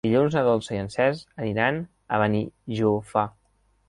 Dilluns na Dolça i en Cesc aniran a Benijòfar.